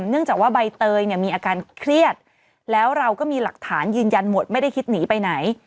เนื่องจากว่าใบเตยเนี่ยมีอาการเครียดแล้วเราก็มีหลักฐานยืนยันหมดไม่ได้คิดหนีไปไหน